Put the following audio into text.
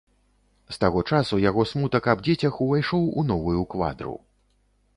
З таго часу яго смутак аб дзецях увайшоў у новую квадру.